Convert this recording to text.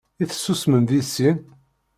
I tessusmem deg sin?